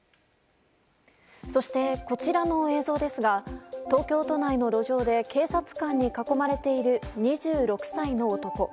そして、こちらの映像ですが東京都内の路上で警察官に囲まれている２６歳の男。